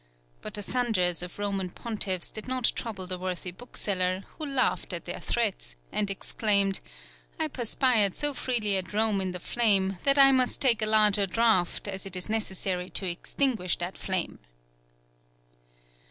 But the thunders of Roman pontiffs did not trouble the worthy bookseller, who laughed at their threats, and exclaimed, "I perspired so freely at Rome in the flame, that I must take a larger draught, as it is necessary to extinguish that flame."